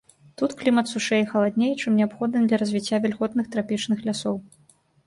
Тут клімат сушэй і халадней, чым неабходна для развіцця вільготных трапічных лясоў.